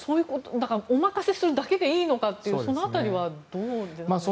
だからお任せするだけでいいのかというその辺りはどうでしょうか。